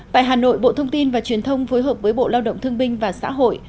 tại hà nội bộ thông tin và truyền thông phối hợp với bộ lao động thương binh và xã hội